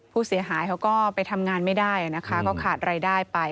ผู้เสียหายเขาก็ไปทำงานไม่ได้นะคะก็ขาดรายได้ไป